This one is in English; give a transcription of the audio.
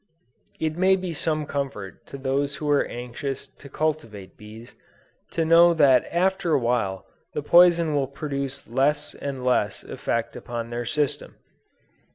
It may be some comfort to those who are anxious to cultivate bees, to know that after a while the poison will produce less and less effect upon their system.